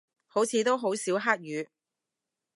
好似都好少黑雨